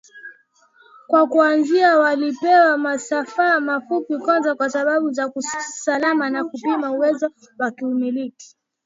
Kwa kuanzia walipewa masafa mafupi kwanza kwa sababu za kiusalama na kupima uwezo wakiumiliki